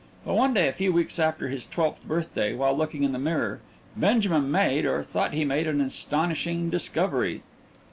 But one day a few weeks after his twelfth birthday, while looking in the mirror, Benjamin made, or thought he made, an astonishing discovery.